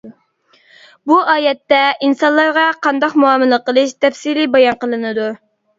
بۇ ئايەتتە ئىنسانلارغا قانداق مۇئامىلە قىلىش تەپسىلىي بايان قىلىنىدۇ.